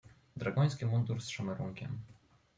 "Dragoński mundur z szamerunkiem."